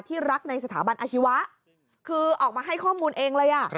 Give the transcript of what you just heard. รักในสถาบันอาชีวะคือออกมาให้ข้อมูลเองเลย